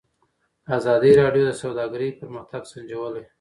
ازادي راډیو د سوداګري پرمختګ سنجولی.